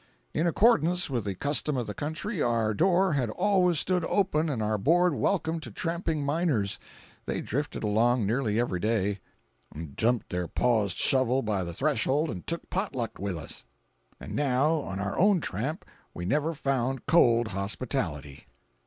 In accordance with the custom of the country, our door had always stood open and our board welcome to tramping miners—they drifted along nearly every day, dumped their paust shovels by the threshold and took "pot luck" with us—and now on our own tramp we never found cold hospitality.